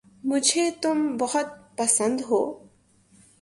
مجھے تم بہت پسند ہو